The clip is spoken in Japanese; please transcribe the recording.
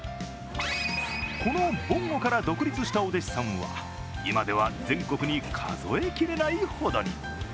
この、ぼんごから独立したお弟子さんは今では全国に数え切れないほどに。